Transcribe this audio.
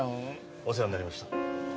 お世話になりました。